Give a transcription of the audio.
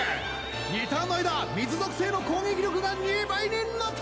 ２ターンの間水属性の攻撃力が２倍になった！